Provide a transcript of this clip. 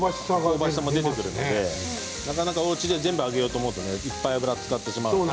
香ばしさも出てくるのでなかなかおうちで全部、揚げようと思うといっぱい油を使ってしまうけど。